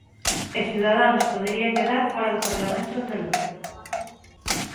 E Ciudadanos podería quedar fóra do Parlamento andaluz.